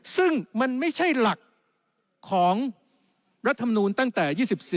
ซึ่งมันไม่ใช่หลักของรัฐมนูลตั้งแต่๒๔